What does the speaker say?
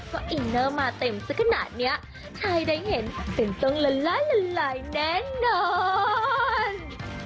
ก็อินเนอร์มาเต็มสักขนาดนี้ใครได้เห็นเป็นต้องละลายละลายแน่นอน